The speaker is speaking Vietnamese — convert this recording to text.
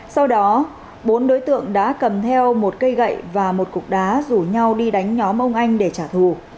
sau đó bốn đối tượng đã cầm theo một cây gậy và một cục đá rủ nhau đi đánh nhóm ông anh để trả thù